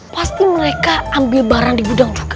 pasti mereka ambil barang di gudang juga